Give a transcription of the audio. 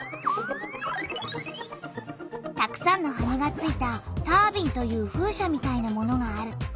たくさんの羽がついた「タービン」という風車みたいなものがある。